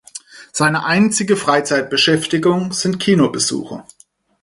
Seine einzige Freizeitbeschäftigung sind Kinobesuche.